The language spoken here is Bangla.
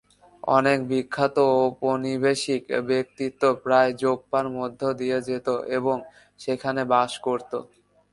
অনেক বিখ্যাত ঔপনিবেশিক ব্যক্তিত্ব প্রায়ই যোপ্পার মধ্যে দিয়ে যেত এবং সেখানে বাস করত।